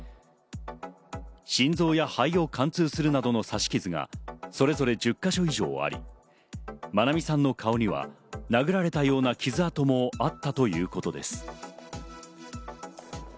心臓や肺を貫通するなどの刺し傷がそれぞれ１０か所以上あり、愛美さんの顔には殴られたような傷痕もあったということです。